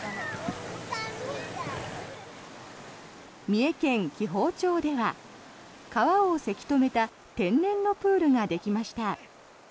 三重県紀宝町では川をせき止めた天然のプールができました。